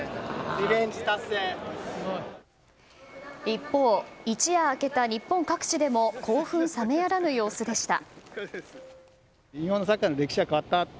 一方、一夜明けた日本各地でも興奮冷めやらぬ様子でした。